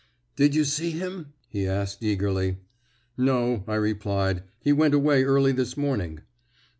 "Did you see him?" he asked eagerly. "No," I replied, "he went away early this morning."